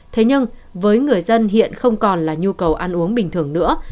thế nhưng với người dân hiện không còn là nhu cầu ăn uống bình thường nữa